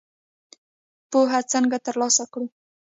پوهه څنګه تر لاسه کړو؟